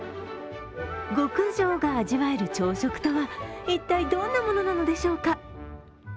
極上が味わえる朝食とは一体どんなものなのでしょうか。